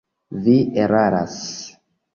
Vi eraras!